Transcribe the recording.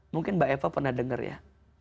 mungkin mbak eva pernah dengar ya